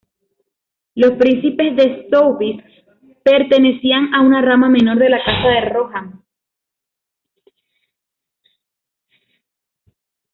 Los príncipes de Soubise pertenecían a una rama menor de la Casa de Rohan.